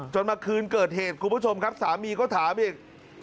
มาคืนเกิดเหตุคุณผู้ชมครับสามีก็ถามอีก